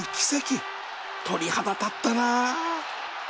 鳥肌立ったな